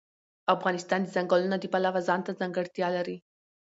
افغانستان د ځنګلونه د پلوه ځانته ځانګړتیا لري.